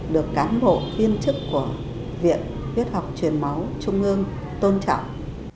được cán bộ viên chức của viện huyết học truyền máu trung ương tôn trọng